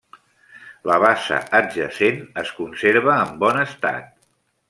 La bassa adjacent es conserva en bon estat.